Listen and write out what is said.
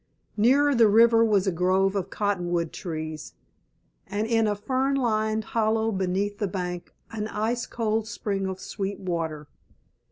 Nearer the river was a grove of cottonwood trees, and in a fern lined hollow beneath the bank an ice cold spring of sweet water.